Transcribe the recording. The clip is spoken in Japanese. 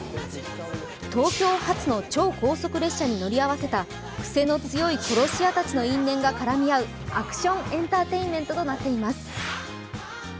東京発の超高速列車に乗り合わせた癖の強い殺し屋たちの因縁が絡み合うアクションエンターテインメントとなっています。